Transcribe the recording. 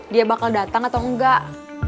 dia bakal datang atau enggak